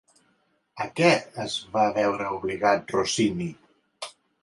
A què es va veure obligat Rossini?